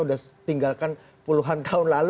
sudah tinggalkan puluhan tahun lalu